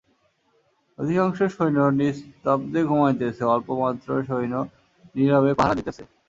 অধিকাংশ সৈন্য নিস্তব্ধে ঘুমাইতেছে, অল্পমাত্র সৈন্য নীরবে পাহারা দিতেছে।